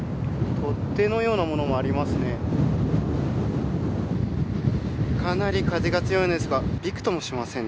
取っ手のようなものもありますね。